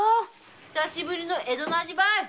久しぶりの江戸の味ばい！